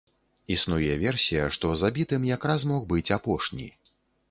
Існуе версія, што забітым якраз мог быць апошні.